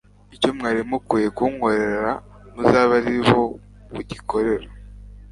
Icyo mwari mukwiye kunkorera muzabe ari bo mugikorera.